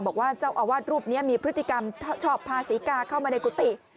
บอกว่าเจ้าอาวาสรูปนี้มีพฤติกรรมชอบพาศรีกาเข้ามาในกุฏิ